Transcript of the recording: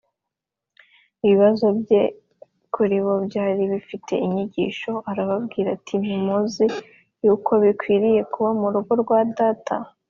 ibibazo bye kuribo byari bifite ibyigisho. Arababwira ati,‘‘ Ntimuzi yuko binkwiriye kuba mu rugo rwa Data ?’